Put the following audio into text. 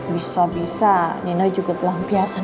bisa bisa nino juga pelampiasan